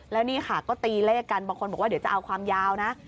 แล้วนี่ค่ะก็ตีเลขกันบางคนบอกว่าเดี๋ยวจะเอาความยาวนะ